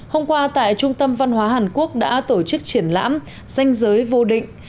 hôm qua tại trung tâm văn hóa hàn quốc đã tổ chức triển lãm danh giới vô định